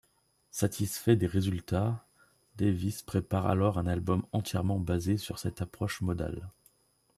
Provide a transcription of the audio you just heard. Satisfait des résultats, Davis prépare alors un album entièrement basé sur cette approche modale.